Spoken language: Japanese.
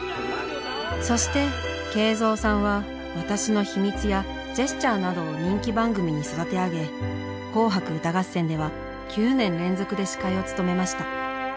そして圭三さんは「私の秘密」や「ジェスチャー」などを人気番組に育て上げ「紅白歌合戦」では９年連続で司会を務めました。